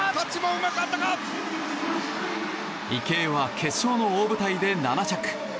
池江は決勝の大舞台で７着。